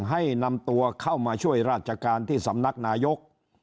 ให้นำตัวเข้ามาช่วยราชการที่สำนักนายก